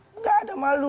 tidak ada malu